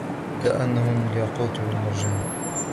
كَأَنَّهُنَّ الْيَاقُوتُ وَالْمَرْجَانُ